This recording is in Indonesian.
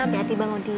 hati hati bang udi